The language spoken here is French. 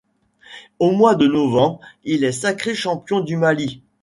Au mois de novembre, il est sacré champion du Mali.